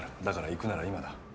だから行くなら今だ。